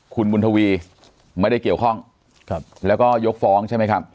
คุณบุญทวีไม่ได้เกี่ยวข้องแล้วก็ยกฟ้องใช่ไหมครับ